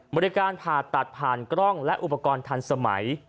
บริการผ่าตัดผ่านกล้องและอุปกรณ์ทันสมัย